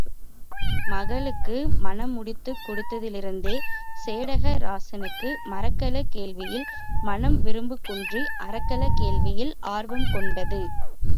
மகளுக்கு மணம் முடித்துக் கொடுத்ததிலிருந்தே சேடக ராசனுக்கு மறக்கள வேள்வியில் மனம் விருப்புக்குன்றி, அறக்கள வேள்வியில் ஆர்வம் கொண்டது.